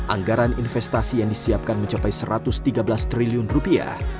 anggaran investasi yang disiapkan mencapai satu ratus tiga belas triliun rupiah